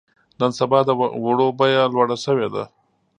نن سبا د وړو بيه لوړه شوې ده.